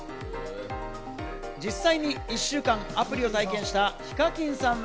実際に１週間アプリを体験したＨＩＫＡＫＩＮさんは。